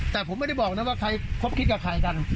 แต่ผมไม่ได้บอกใครคิดกับใครกัน